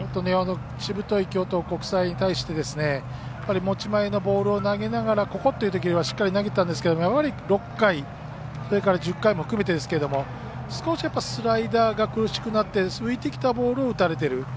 しぶとい京都国際に対して持ち前のボールを投げながらここっていうところには投げたんですけれどやはり６回、１０回も含めて少し、スライダーが苦しくなって浮いてきたボールを打たれている。